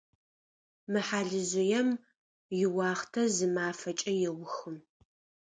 Мы хьалыжъыем иуахътэ зы мафэкӏэ еухы.